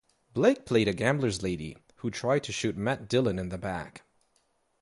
Blake played a gambler's lady who tried to shoot Matt Dillon in the back.